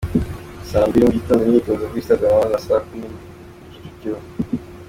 Saa mbili mu gitondo imyitozo ni kuri Stade Amahoro na saa kumi ku Kicukiro.